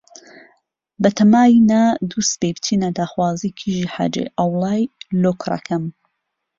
بەتاماینە دووسبەی بچینە داخوازی کیژی حاجی عەوڵای لۆ کوڕەکەم.